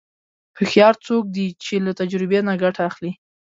هوښیار څوک دی چې له تجربې نه ګټه اخلي.